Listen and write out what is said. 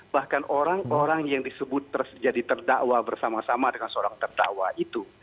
bahkan orang orang yang disebut jadi terdakwa bersama sama dengan seorang tertawa itu